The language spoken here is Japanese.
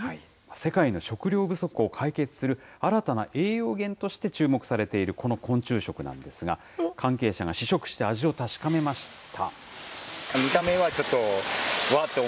世界の食糧不足を解決する新たな栄養源として注目されているこの昆虫食なんですが、関係者が試食して味を確かめました。